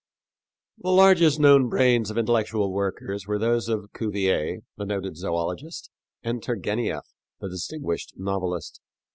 The largest known brains of intellectual workers were those of Cuvier, the noted zoölogist, and Turgenieff, the distinguished novelist.